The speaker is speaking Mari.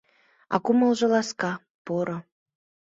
А кумылжо ласка, поро.